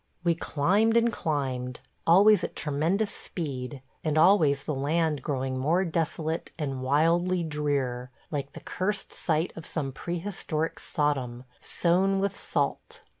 ... We climbed and climbed; always at tremendous speed, and always the land growing more desolate, and wildly drear, like the cursed site of some prehistoric Sodom, sown with salt.